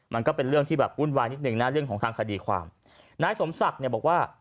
มันก็เป็นเรื่องที่แบบวุ่นวายนิดหนึ่งนะเรื่องของทางคดีความนายสมศักดิ์เนี่ยบอกว่า